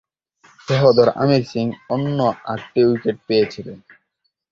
সহোদর অমর সিং অন্য আট উইকেট পেয়েছিলেন।